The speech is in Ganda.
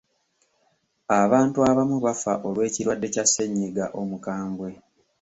Abantu abamu bafa olw'ekirwadde kya ssennyiga omukambwe.